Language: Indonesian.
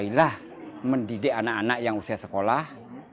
kita sudah bisa mendidik anak anak yang usia sekolah